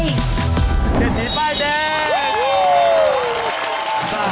เชฟทีป้ายแดง